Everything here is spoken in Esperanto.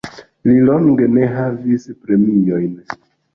Li longe ne havis premiojn.